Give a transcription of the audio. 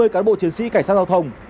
ba mươi cán bộ chiến sĩ cảnh sát giao thông